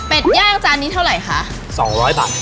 เป็ดย่างจานนี้เท่าไหร่คะ๒๐๐บาท